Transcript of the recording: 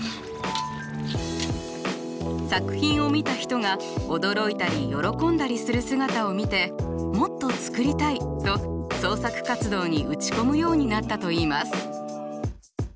作品を見た人が驚いたり喜んだりする姿を見てもっと作りたいと創作活動に打ち込むようになったと言います。